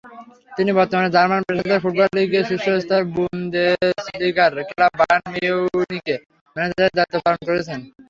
তিনি বর্তমানে জার্মান পেশাদার ফুটবল লীগের শীর্ষ স্তর বুন্দেসলিগার ক্লাব বায়ার্ন মিউনিখে ম্যানেজারের দায়িত্ব পালন করছেন।